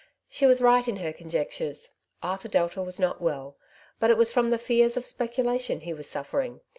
She was right in her conjectures. Arthur Delta was not well ; but it was from the fears of specula tion he was suffering.